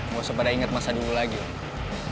gue sempat inget masa dulu lagi men